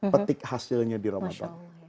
petik hasilnya di ramadan